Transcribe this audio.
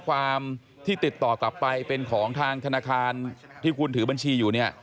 ความที่ติดต่อกลับไปเป็นของทางธนาคารที่คุณถือบัญชีอยู่เนี่ย